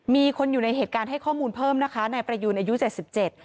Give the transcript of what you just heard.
มีคนอยู่ในเหตุการณ์ให้ข้อมูลเพิ่มนะคะนายประยูนอายุเจ็ดสิบเจ็ด